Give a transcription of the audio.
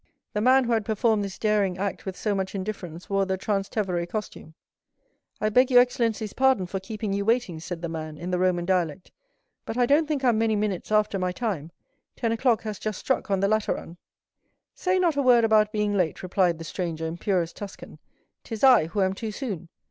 The man who had performed this daring act with so much indifference wore the Transtevere costume. "I beg your excellency's pardon for keeping you waiting," said the man, in the Roman dialect, "but I don't think I'm many minutes after my time, ten o'clock has just struck by the clock of Saint John Lateran." "Say not a word about being late," replied the stranger in purest Tuscan; "'tis I who am too soon.